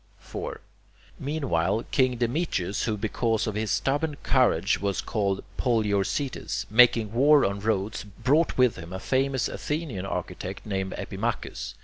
4. Meanwhile, king Demetrius, who because of his stubborn courage was called Poliorcetes, making war on Rhodes, brought with him a famous Athenian architect named Epimachus.